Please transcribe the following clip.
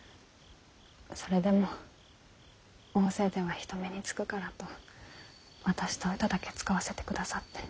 それでも大勢では人目につくからと私とうただけ遣わせてくださって。